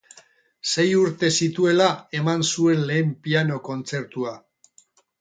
Sei urte zituela eman zuen lehen piano kontzertua.